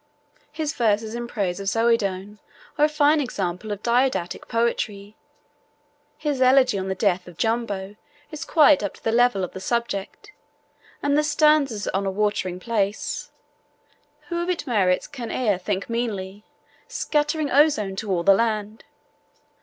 His verses in praise of Zoedone are a fine example of didactic poetry, his elegy on the death of Jumbo is quite up to the level of the subject, and the stanzas on a watering place, Who of its merits can e'er think meanly? Scattering ozone to all the land!